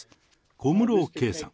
小室圭さん。